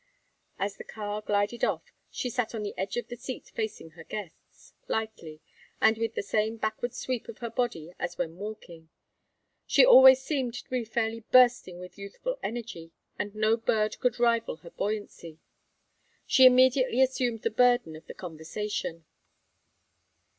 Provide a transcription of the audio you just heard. As the car glided off, she sat on the edge of the seat facing her guests, lightly, and with the same backward sweep of her body as when walking. She always seemed to be fairly bursting with youthful energy, and no bird could rival her buoyancy. She immediately assumed the burden of the conversation.